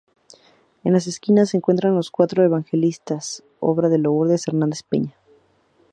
En las esquinas se encuentran los cuatro Evangelistas obra de Lourdes Hernández Peña.